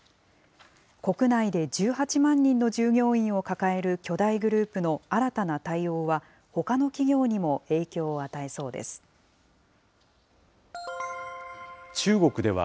国内で１８万人の従業員を抱える巨大グループの新たな対応は、ほかの企業にも影響を与えそうです。